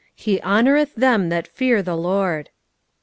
"He honoureth them that fear the Lord."